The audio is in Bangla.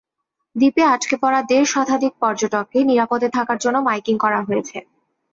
দ্বীপে আটকে পড়া দেড় শতাধিক পর্যটককে নিরাপদে থাকার জন্য মাইকিং করা হয়েছে।